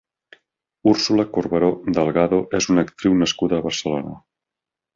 Úrsula Corberó Delgado és una actriu nascuda a Barcelona.